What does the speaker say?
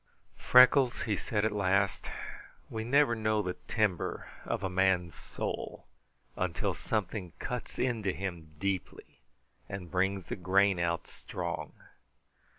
"Freckles," he said at last, "we never know the timber of a man's soul until something cuts into him deeply and brings the grain out strong.